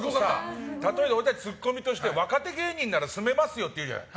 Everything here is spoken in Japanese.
例えば、俺たちツッコミとして若手芸人なら住めますよって言うじゃない。